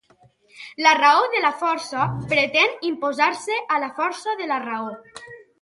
La raó de la força pretén imposar-se a la força de la raó.